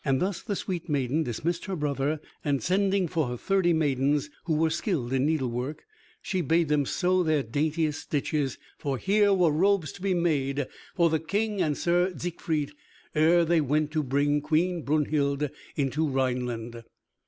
Thus the sweet maiden dismissed her brother, and sending for her thirty maidens who were skilled in needlework she bade them sew their daintiest stitches, for here were robes to be made for the King and Sir Siegfried ere they went to bring Queen Brunhild into Rhineland.